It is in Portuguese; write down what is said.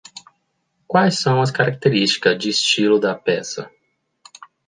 Quais são as características de estilo da peça?